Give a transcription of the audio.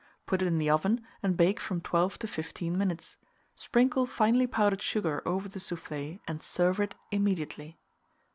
Put it in the oven, and bake from 12 to 15 minutes; sprinkle finely powdered sugar over the soufflé, and serve it immediately.